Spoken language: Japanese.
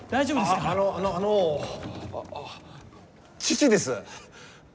あのあのあの父です。